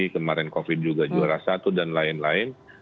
kemarin covid juga juara satu dan lain lain